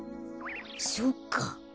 そっか。